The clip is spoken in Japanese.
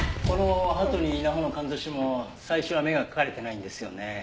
この鳩に稲穂のかんざしも最初は目が描かれていないんですよね。